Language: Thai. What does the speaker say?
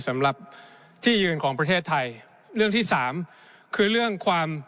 สำหรับที่ยืนของประเทศไทยเรื่องที่สามคือเรื่องความ